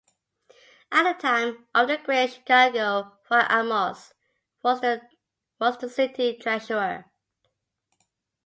At the time of the Great Chicago Fire Amos was the city treasurer.